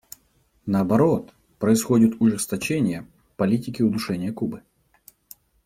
Наоборот, происходит ужесточение политики удушения Кубы.